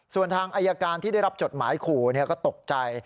ส่วนทางอายการที่ได้รับจดหมายขู่ก็ตกใจ